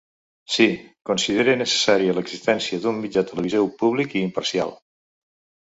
Sí, considere necessària l’existència d’un mitjà televisiu públic i imparcial.